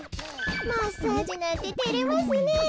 マッサージなんててれますねえ。